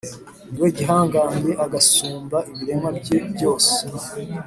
ni we gihangange, agasumba ibiremwa bye byose;